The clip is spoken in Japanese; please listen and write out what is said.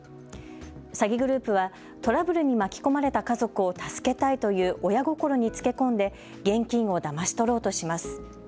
詐欺グループはトラブルに巻き込まれた家族を助けたいという親心につけ込んで現金をだまし取ろうとします。